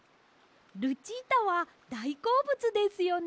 ルチータはだいこうぶつですよね？